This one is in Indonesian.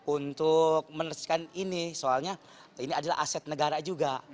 untuk meneruskan ini soalnya ini adalah aset negara juga